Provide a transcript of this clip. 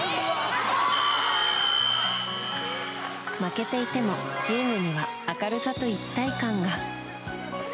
負けていてもチームには明るさと一体感が。